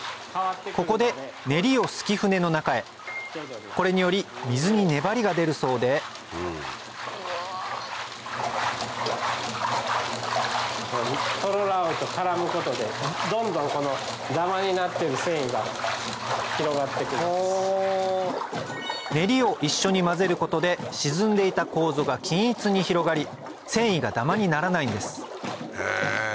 ここでネリを漉き舟の中へこれにより水に粘りが出るそうでネリを一緒に混ぜることで沈んでいたコウゾが均一に広がり繊維がダマにならないんです